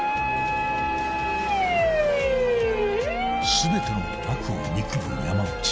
［全ての悪を憎む山内］